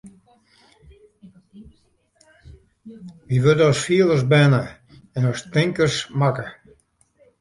Wy wurde as fielers berne en ta tinkers makke.